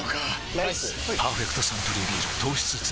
ライス「パーフェクトサントリービール糖質ゼロ」